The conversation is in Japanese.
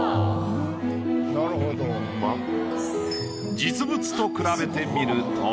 実物と比べてみると。